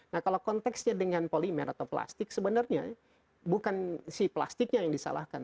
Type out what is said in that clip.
nah kalau konteksnya dengan polimer atau plastik sebenarnya bukan si plastiknya yang disalahkan